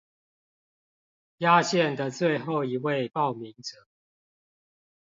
壓線的最後一位報名者